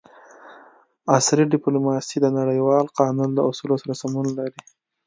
عصري ډیپلوماسي د نړیوال قانون له اصولو سره سمون لري